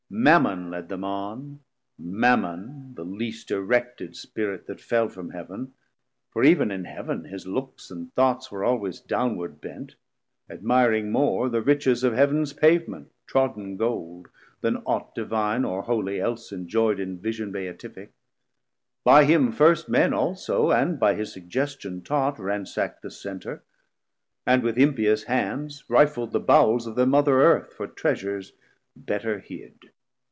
Mammon led them on, Mammon, the least erected Spirit that fell From heav'n, for ev'n in heav'n his looks and thoughts 680 Were always downward bent, admiring more The riches of Heav'ns pavement, trod'n Gold, Then aught divine or holy else enjoy'd In vision beatific: by him first Men also, and by his suggestion taught, Ransack'd the Center, and with impious hands Rifl'd the bowels of thir mother Earth For Treasures better hid.